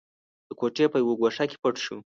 د کوټې په يوه ګوښه کې پټ شو.